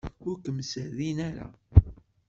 Ur kem-serrin ara.